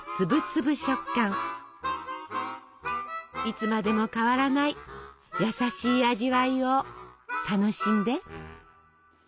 いつまでも変わらない優しい味わいを楽しんで。